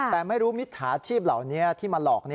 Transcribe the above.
แต่ไม่รู้มิจฉาชีพเหล่านี้ที่มาหลอก